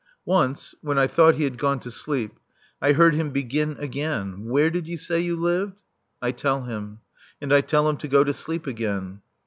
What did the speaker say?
Once, when I thought he had gone to sleep, I heard him begin again: "Where did you say you lived?" I tell him. And I tell him to go to sleep again.